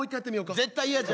絶対嫌じゃ。